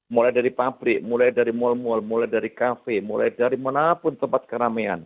mulai dari pabrik mulai dari mal mal mulai dari kafe mulai dari mana pun tempat keramaian